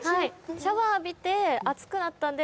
シャワー浴びて暑くなったんで。